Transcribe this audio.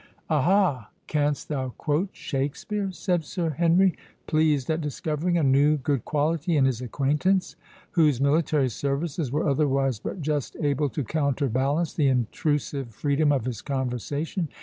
"Aha, canst thou quote Shakspeare?" said Sir Henry, pleased at discovering a new good quality in his acquaintance, whose military services were otherwise but just able to counterbalance the intrusive freedom of his conversation.